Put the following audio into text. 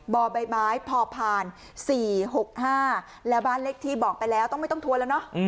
บ่อใบไม้พอผ่าน๔๖๕แล้วบ้านเลขที่บอกไปแล้วต้องไม่ต้องทัวร์แล้วเนอะ